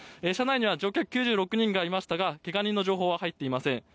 車内には乗客９６人がいましたがけが人の情報は入っていません。